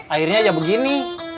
akhirnya aja begini